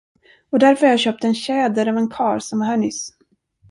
Och därför har jag köpt en tjäder av en karl, som var här nyss.